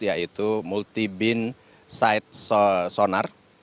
yaitu multi beam sight sonar